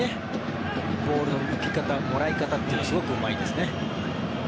ボールの受け方、もらい方がすごくうまいですね。